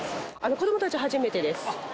子どもたちは初めてです。